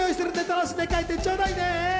楽しんで帰っていってちょうだいね！